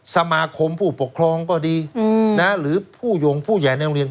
สมาคมผู้ปกครองก็ดีหรือผู้โยงผู้ใหญ่ในโรงเรียน